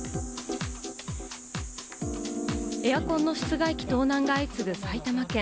エアコンの室外機盗難が相次ぐ埼玉県。